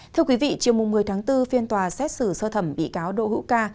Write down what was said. thưa quý vị chiều một mươi tháng bốn phiên tòa xét xử sơ thẩm bị cáo đỗ hữu ca